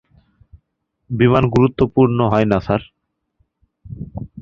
বিমান গুরুত্বপূর্ণ হয় না, স্যার।